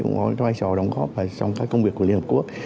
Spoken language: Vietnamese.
cũng có vai trò đóng góp trong các công việc của liên hợp quốc